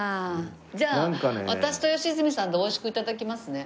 じゃあ私と良純さんで美味しく頂きますね。